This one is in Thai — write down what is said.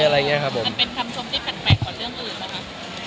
เป็นคำชมที่แปลกของเรื่องอื่นหรือเปล่า